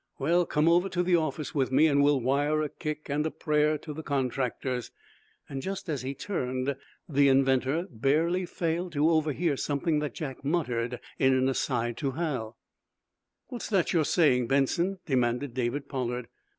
"Well, come over to the office with me, and we'll wire a kick and a prayer to the contractors." Just as he turned, the inventor barely failed to overhear something that Jack muttered in an aside to Hal. "What's that you're saying, Benson?" demanded David Pollard.